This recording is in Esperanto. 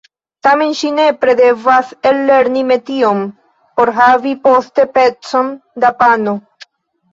Tamen ŝi nepre devas ellerni metion, por havi poste pecon da pano.